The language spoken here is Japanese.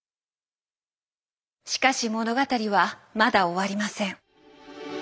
しかし物語はまだ終わりません。